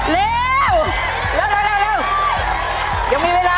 เร็วยังมีเวลา